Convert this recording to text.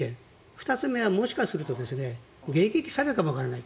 ２つ目は、もしかしすると迎撃されるかもわからない。